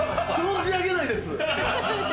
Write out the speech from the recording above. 存じ上げないです。